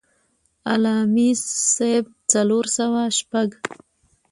علّامي ص څلور سوه شپږ.